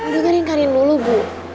udah dengerin karin dulu bu